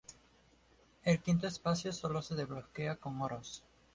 El quinto espacio sólo se desbloquea con Oros.